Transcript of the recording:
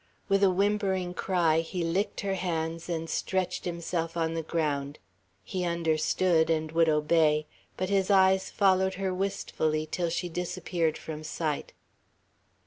With a whimpering cry, he licked her hands, and stretched himself on the ground. He understood, and would obey; but his eyes followed her wistfully till she disappeared from sight.